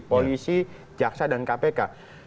polisi jaksa dan kpk